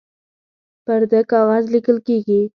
پر ده کاغذ لیکل کیږي